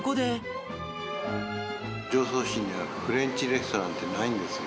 常総市には、フレンチレストランってないんですよ。